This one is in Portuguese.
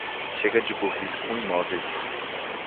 Chega de burrice com imóveis